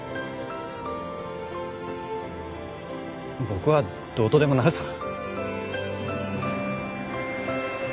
僕はどうとでもなるさ。